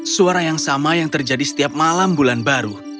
suara yang sama yang terjadi setiap malam bulan baru